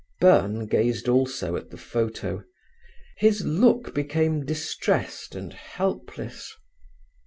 Byrne gazed also at the photo. His look became distressed and helpless.